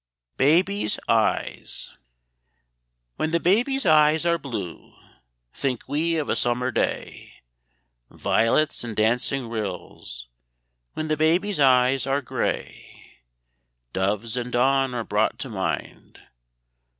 BABY'S EYES. When the baby's eyes are blue, Think we of a summer day, Violets, and dancing rills. When the baby's eyes are gray, Doves and dawn are brought to mind.